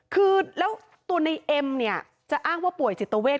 คือแล้วตัวในเอ็มเนี่ยจะอ้างว่าป่วยจิตเวท